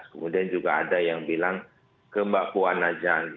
kemudian juga ada yang bilang ke mbak puan aja